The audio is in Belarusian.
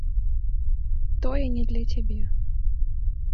Тое не для цябе.